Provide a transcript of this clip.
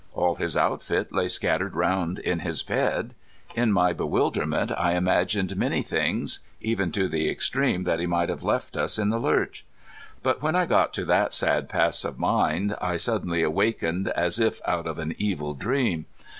All his outfit lay scattered round in his bed. In my bewilderment I imagined many things, even to the extreme that he might have left us in the lurch. But when I got to that sad pass of mind I suddenly awakened as if out of an evil dream.